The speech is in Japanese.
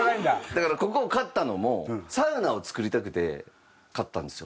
だからここを買ったのもサウナを作りたくて買ったんですよ。